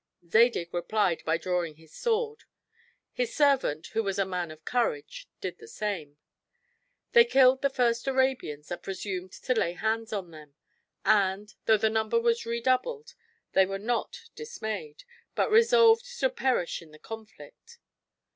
Zadig replied by drawing his sword; his servant, who was a man of courage, did the same. They killed the first Arabians that presumed to lay hands on them; and, though the number was redoubled, they were not dismayed, but resolved to perish in the conflict.